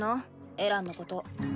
エランのこと。